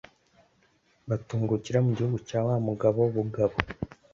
batungukira mu gihugu cya wa mugabo bugabo.